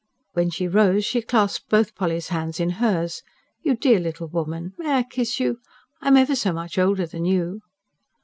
When she rose, she clasped both Polly's hands in hers. "You dear little woman... may I kiss you? I am ever so much older than you."